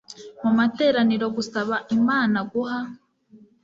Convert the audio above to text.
mu materaniro gusaba Imana guha